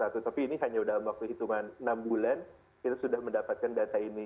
tapi ini hanya dalam waktu hitungan enam bulan kita sudah mendapatkan data ini